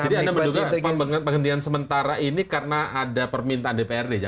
jadi anda menduga apa dengan penghentian sementara ini karena ada permintaan dprd